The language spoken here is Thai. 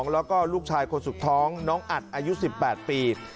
แล้วก็ลูกชายคนสุดท้องน้องอัดอายุ๑๘ปี